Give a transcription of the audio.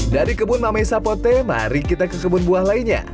dari kebun mame sapote mari kita ke kebun buah lainnya